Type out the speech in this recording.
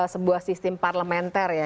sebuah sistem parlementer ya